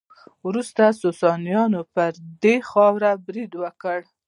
وروسته ساسانیانو په دې خاوره برید وکړ